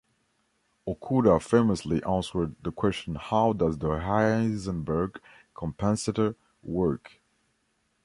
Okuda famously answered the question How does the Heisenberg compensator work?